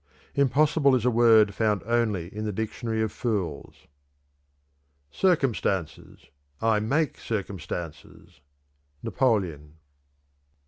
"Impossible is a word found only in the dictionary of fools." "Circumstances! I make circumstances!" _Napoleon.